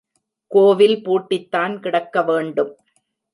கோவில் பூட்டித்தான் கிடக்கவேண்டும்.